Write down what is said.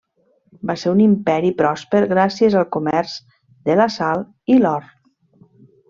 Va ser un imperi pròsper gràcies al comerç de la sal i l'or.